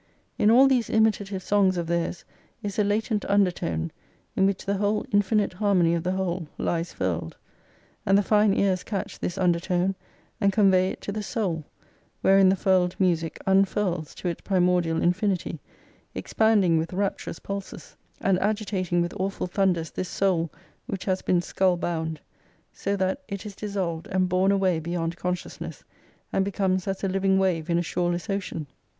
In all these imitative songs of theirs is a latent undertone, in which the whole infinite harmony of the whole lies furled ; and the fine ears catch this under lone, and convey it to the soul, wherein the furled music unfurls to its primordial infinity, expanding with rap turous pulses and agitating with awful thunders this soul which has been skull bound, so that it is dissolved and borne away beyond consciousness, and becomes as 3 living wave in a shoreless ocean.